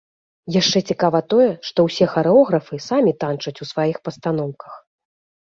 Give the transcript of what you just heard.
Яшчэ цікава тое, што ўсе харэографы самі танчаць у сваіх пастаноўках.